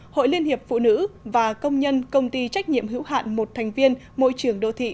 hội liên hiệp phụ nữ và công nhân công ty trách nhiệm hữu hạn một thành viên môi trường đô thị